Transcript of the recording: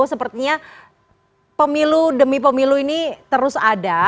sepertinya pemilu demi pemilu ini terus ada